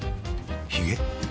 ひげ？